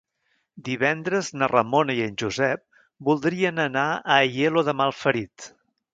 Divendres na Ramona i en Josep voldrien anar a Aielo de Malferit.